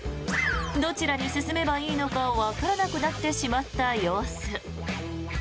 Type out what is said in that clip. どちらに進めばいいのかわからなくなってしまった様子。